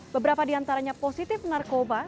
beberapa diantaranya positif narkoba